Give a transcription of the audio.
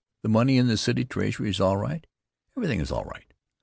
The money in the city treasury is all right. Everything is all right.